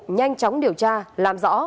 nhanh chóng điều tra làm rõ